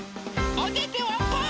おててはパー！